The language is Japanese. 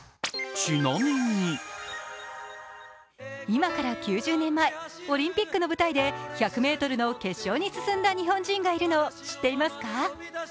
今から９０年前、オリンピックの舞台で１００ｍの決勝に進んだ日本人がいるのを知っていますか？